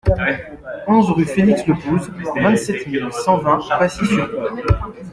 onze rue Felix Lepouze, vingt-sept mille cent vingt Pacy-sur-Eure